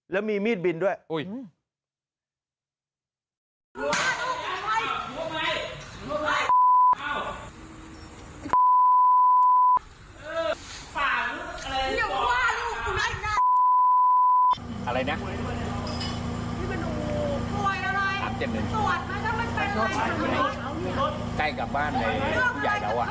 แล้วมีมีดบินด้วย